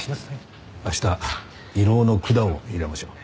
明日胃ろうの管を入れましょう。